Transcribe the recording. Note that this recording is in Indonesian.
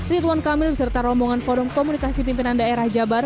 ridwan kamil beserta rombongan forum komunikasi pimpinan daerah jabar